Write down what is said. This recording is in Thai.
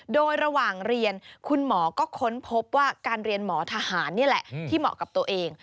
โดยระหว่างเรียนคุณหมอก็ค้นพบว่าการเรียนหมอทหารนี่แหละที่เหมาะกับตัวเอง